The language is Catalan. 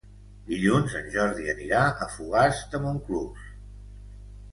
Dilluns en Jordi anirà a Fogars de Montclús.